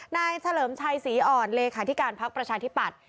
เฉลิมชัยศรีอ่อนเลขาธิการพักประชาธิปัตย